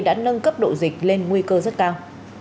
đã nâng cấp độ dịch lên nguy cơ rất cao